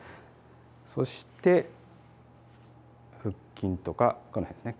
そして腹筋とかこの辺ですね